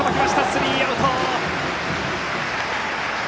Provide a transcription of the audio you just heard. スリーアウト。